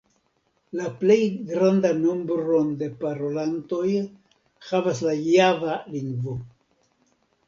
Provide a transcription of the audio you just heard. La plej grandan nombron de parolantoj havas la java lingvo.